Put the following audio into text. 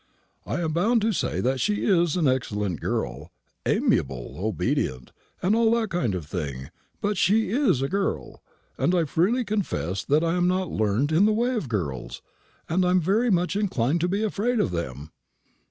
I am bound to say she is an excellent girl amiable, obedient, and all that kind of thing; but she is a girl, and I freely confess that I am not learned in the ways of girls; and I'm very much inclined to be afraid of them."